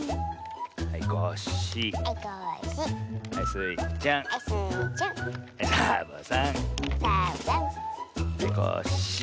はいコッシー。